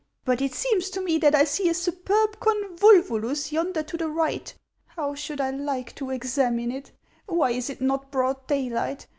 But it seems to me that I see a superb convol vulus yonder to the right ; how I should like to examine it. Why is it not broad daylight